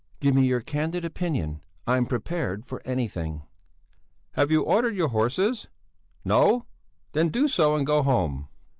"Give me your candid opinion! I'm prepared for anything." "Have you ordered your horses? No? Then do so and go home."